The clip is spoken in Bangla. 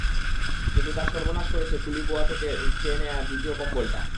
কিন্তু তার সর্বনাশ করেছে কলি বুয়া থেকে চেয়ে নেওয়া দ্বিতীয় কম্বলটা।